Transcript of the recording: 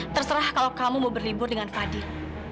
terserah kalau kamu mau berlibur dengan fadil